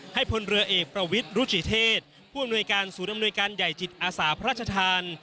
พลเรือเอกประวิทรุจิเทศผู้อำนวยการศูนย์อำนวยการใหญ่จิตอาสาพระราชทาน